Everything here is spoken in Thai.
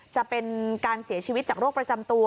จะเป็นการเสียชีวิตจากโรคประจำตัว